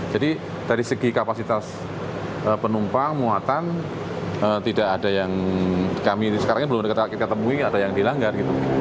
jadi dari segi kapasitas penumpang muatan tidak ada yang kami sekarang belum ketemu ada yang dilanggar